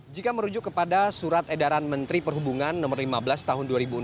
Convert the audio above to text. jika merujuk kepada surat edaran menteri perhubungan no lima belas tahun dua ribu enam belas